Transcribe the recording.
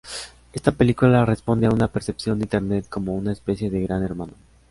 Esta película responde a una percepción de Internet como una especie de Gran Hermano.